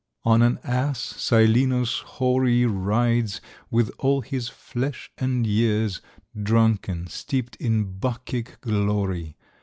On an ass Silenus hoary Rides, with all his flesh and years, Drunken, steeped in Bacchic glory.